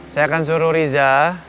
saya akan suruh riza